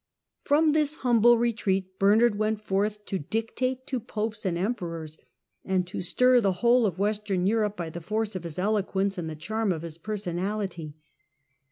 From this humble retreat Bernard went forth to dictate to Popes and Emperors, and to stir the whole of Western Europe by the force of his eloquence and the charm of his personality.